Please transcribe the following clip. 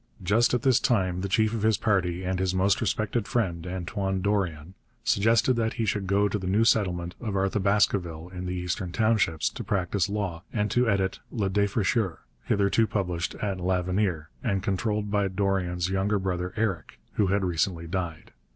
Just at this time the chief of his party and his most respected friend, Antoine Dorion, suggested that he should go to the new settlement of Arthabaskaville in the Eastern Townships, to practise law and to edit Le Défricheur, hitherto published at L'Avenir and controlled by Dorion's younger brother Eric, who had recently died.